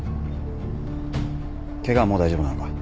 ケガはもう大丈夫なのか？